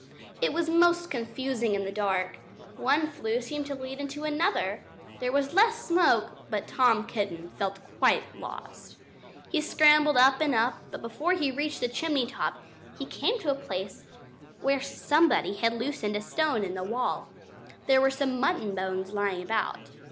It was most confusing in the dark. One flue seemed to lead into another. There was less smoke, but Tom Kitten felt quite lost. He scrambled up and up; but before he reached the chimney top he came to a place where somebody had loosened a stone in the wall. There were some mutton bones lying about.